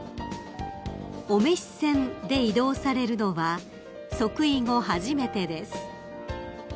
［お召し船で移動されるのは即位後初めてです］